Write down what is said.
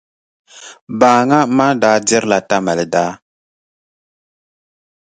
Baaŋa ma daa dirila Tamali daa.